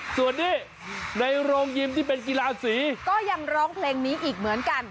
ส่วนนี้ในโรงยิมที่เป็นกีฬาสีก็ยังร้องเพลงนี้อีกเหมือนกัน